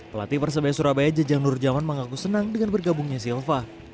pelatih persebaya surabaya jejang nur jaman mengaku senang dengan bergabungnya silva